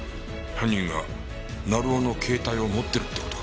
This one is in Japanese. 犯人が成尾の携帯を持ってるって事か。